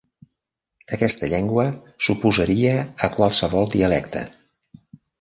Aquesta llengua s'oposaria a qualsevol dialecte.